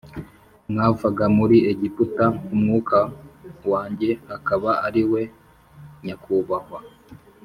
mwavaga muri Egiputa Umwuka wanjye akaba ari we nyakubahwa